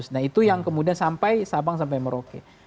nah itu yang kemudian sampai sabang sampai merauke